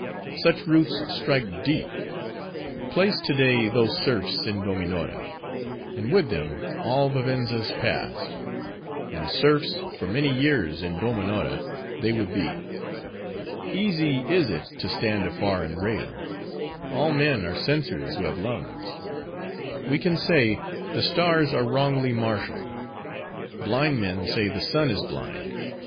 Such roots strike deep. Place to day those serfs in Dominora; and with them, all Vivenza's Past;— and serfs, for many years, in Dominora, they would be. Easy is it to stand afar and rail. All men are censors who have lungs. We can say, the stars are wrongly marshaled. Blind men say the sun is blind.